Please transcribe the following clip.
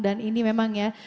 dan ini memang ya